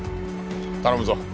頼むぞ。